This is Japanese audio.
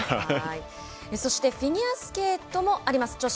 そしてフィギュアスケートもあります。